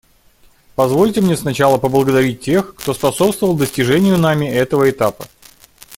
Позвольте мне сначала поблагодарить тех, кто способствовал достижению нами этого этапа.